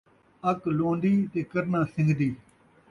اَک لوہندی تے کرناں سنگھدی